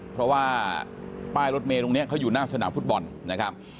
เพราะว่าป้ายรถเมย์ตรงนี้เขาอยู่หน้าสนามฟุตบอลนะครับ